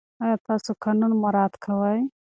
آیا تاسې قانون مراعات کوئ؟